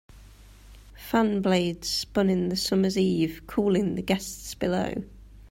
Fan blades spun in the summer's eve, cooling the guests below.